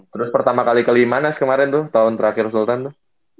terus pertama kali kelima nas kemarin tuh tahun terakhir sultan tuh